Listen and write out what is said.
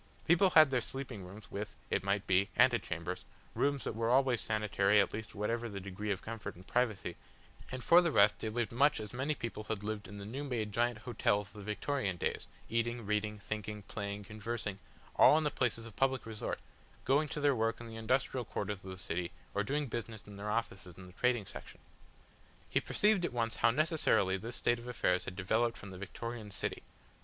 People had their sleeping rooms, with, it might be, antechambers, rooms that were always sanitary at least whatever the degree of comfort and privacy, and for the rest they lived much as many people had lived in the new made giant hotels of the Victorian days, eating, reading, thinking, playing, conversing, all in places of public resort, going to their work in the industrial quarters of the city or doing business in their offices in the trading section. He perceived at once how necessarily this state of affairs had developed from the Victorian city.